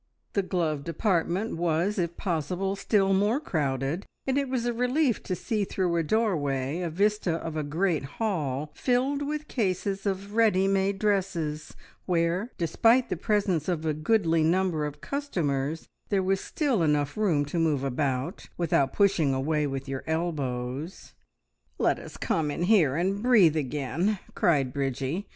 The glove department was, if possible, still more crowded, and it was a relief to see through a doorway a vista of a great hall filled with cases of beautiful ready made dresses, where, despite the presence of a goodly number of customers, there was still enough room to move about, without pushing a way with your elbows. "Let us come in here and breathe again!" cried Bridgie.